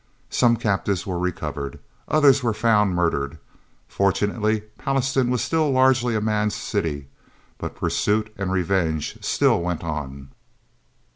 Some captives were recovered. Others were found, murdered. Fortunately, Pallastown was still largely a man's city. But pursuit and revenge still went on...